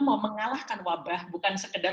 mau mengalahkan wabah bukan sekedar